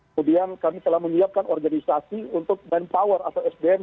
kemudian kami telah menyiapkan organisasi untuk manpower atau sdm